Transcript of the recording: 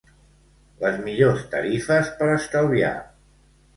Les millors tarifes per estalviar